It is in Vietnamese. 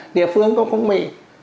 địa phương cũng không bị